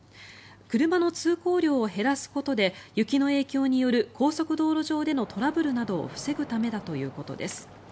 車の通行量を減らすことで雪の影響による高速道路上でのトラブルなどを防ぐためだということです。